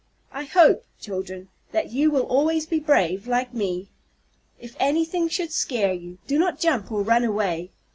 I hope, children, that you will always be brave, like me. If anything should scare you, do not jump or run away.